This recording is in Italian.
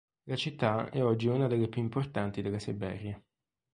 La città è oggi una delle più importanti della Siberia.